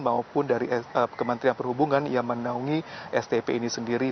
maupun dari kementerian perhubungan yang menaungi stp ini sendiri